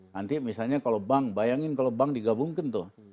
nanti misalnya kalau bank bayangin kalau bank digabungkan tuh